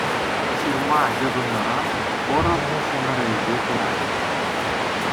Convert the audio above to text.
Ҫырма йӑтӑннӑран пӑрӑх ҫӗмӗрӗлсе пырать.